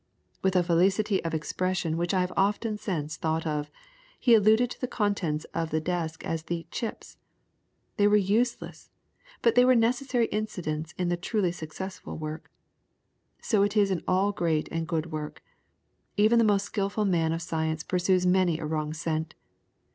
With a felicity of expression which I have often since thought of, he alluded to the contents of the desk as the "chips." They were useless, but they were necessary incidents in the truly successful work. So it is in all great and good work. Even the most skilful man of science pursues many a wrong scent.